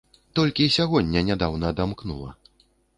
Толькі сягоння нядаўна адамкнула.